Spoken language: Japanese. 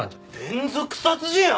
連続殺人犯！？